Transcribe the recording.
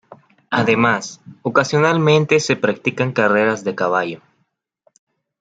Además, ocasionalmente se practican carreras de caballo.